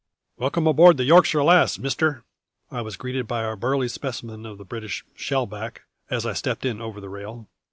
"Welcome aboard the Yorkshire Lass, mister," I was greeted by a great burly specimen of the British "shellback", as I stepped in over the rail.